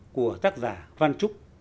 của tác giả văn trúc